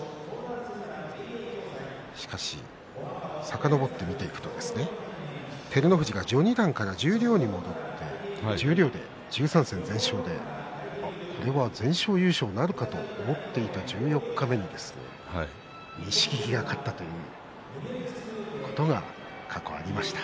しかし、さかのぼって見ていくと照ノ富士が序二段から十両に戻って１３戦全勝でこれは全勝優勝なるかと思っていた十四日目錦木が勝ったということが過去にありました。